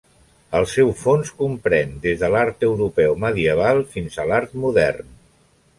El seu fons comprèn des de l'art europeu medieval fins a l'art modern.